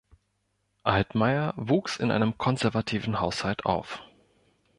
Altmaier wuchs in einem konservativen Haushalt auf.